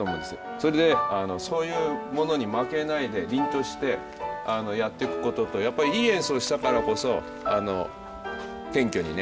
それでそういうものに負けないで凛としてやってくこととやっぱりいい演奏したからこそあの謙虚にね。